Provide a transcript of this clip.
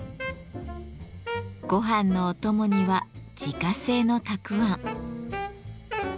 ごはんのお供には自家製のたくあん。